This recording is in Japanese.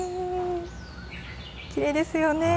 きれいですよね。